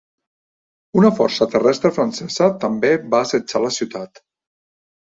Un força terrestre francesa també va assetjar la ciutat.